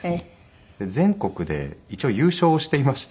全国で一応優勝していまして。